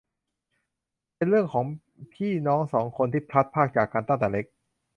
เป็นเรื่องของพี่น้องสองคนที่พลัดพรากจากกันตั้งแต่เล็ก